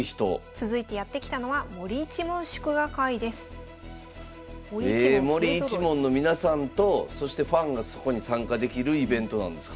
続いてやって来たのはえ森一門の皆さんとそしてファンがそこに参加できるイベントなんですか。